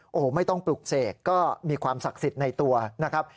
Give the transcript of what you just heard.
โอ้โหไม่ต้องปลุกเสกก็มีความศักดิ์สิทธิ์ในตัวนะครับ